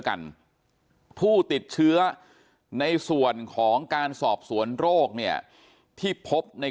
กันผู้ติดเชื้อในส่วนของการสอบสวนโรคเนี่ยที่พบใน